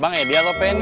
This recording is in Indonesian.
bang edi aloh penny